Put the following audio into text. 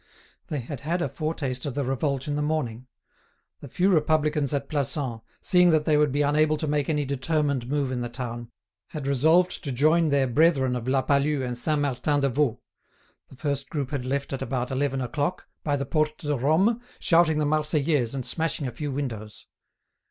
They had had a foretaste of the revolt in the morning; the few Republicans at Plassans, seeing that they would be unable to make any determined move in the town, had resolved to join their brethren of La Palud and Saint Martin de Vaulx; the first group had left at about eleven o'clock, by the Porte de Rome, shouting the "Marseillaise" and smashing a few windows.